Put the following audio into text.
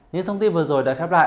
những thông tin vừa rồi đã khép lại